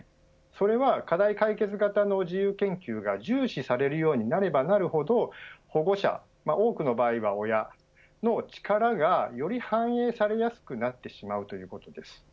それは課題解決型の自由研究が重視されるようになればなるほど保護者、多くの場合は親の力がより反映されやすくなってしまうということです。